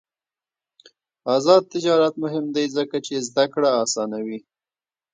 آزاد تجارت مهم دی ځکه چې زدکړه اسانوي.